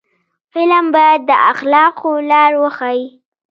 فلم باید د اخلاقو لار وښيي